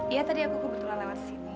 ya tadi aku kebetulan lewat sini